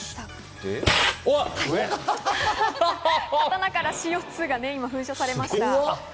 中からＣＯ２が噴射されました。